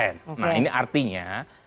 nah ini artinya